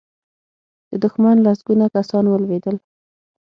د دښمن لسګونه کسان ولوېدل.